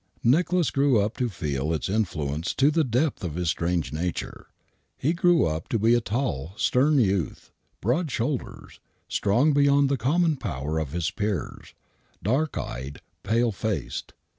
Nicholas grew up to feel its influence to the depth of his strange nature. He grew up to be a tall, stern youth, broad shouldered, strong beyond the common power of his peers, dark eyed, pale faced.